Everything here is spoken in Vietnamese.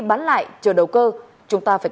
bán lại chờ đầu cơ chúng ta phải